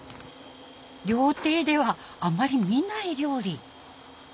料亭ではあまり見ない料理。